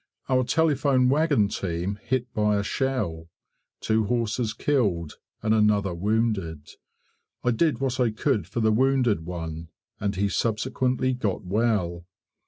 Our telephone wagon team hit by a shell; two horses killed and another wounded. I did what I could for the wounded one, and he subsequently got well.